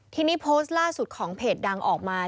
ทีนี้โพสต์ล่าสุดของเพจดังออกมา